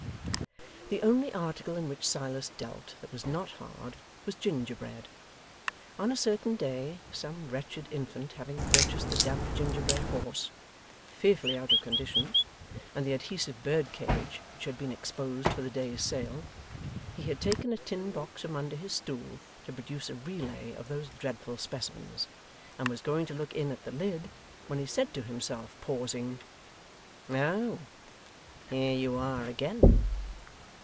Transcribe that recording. The only article in which Silas dealt, that was not hard, was gingerbread. On a certain day, some wretched infant having purchased the damp gingerbread horse (fearfully out of condition), and the adhesive bird cage, which had been exposed for the day's sale, he had taken a tin box from under his stool to produce a relay of those dreadful specimens, and was going to look in at the lid, when he said to himself, pausing: 'Oh! Here you are again!